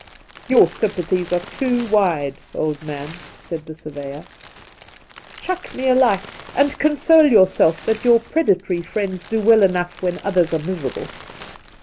' Your sympathies are too wide, old man,' said the surveyor. 'Chuck me a light, and console yourself that your predatory friends do well eK0]igii when others are miserable.